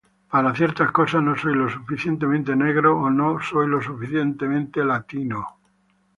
Para ciertas cosas, no soy lo suficientemente negro o no soy lo suficientemente latino.